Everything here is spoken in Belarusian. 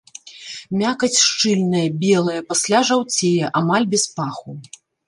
Мякаць шчыльная, белая, пасля жаўцее, амаль без паху.